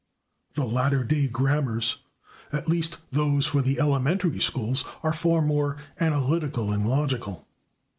The latter day grammars, at least those for the elementary schools, are far more analytical and logical.